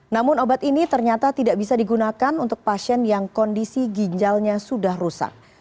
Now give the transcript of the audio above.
namun obat ini ternyata tidak bisa digunakan untuk pasien yang kondisi ginjalnya sudah rusak